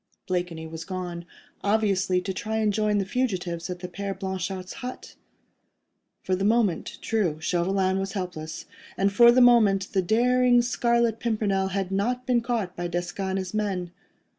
Blakeney was gone, obviously to try and join the fugitives at the Père Blanchard's hut. For the moment, true, Chauvelin was helpless; for the moment the daring Scarlet Pimpernel had not been caught by Desgas and his men.